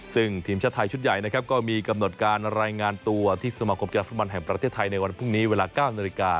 ซึ่งทีมชาติไทยชุดใหญ่นะครับก็มีกำหนดการรายงานตัวที่สมาคมกีฬาฟุตบอลแห่งประเทศไทยในวันพรุ่งนี้เวลา๙นาฬิกา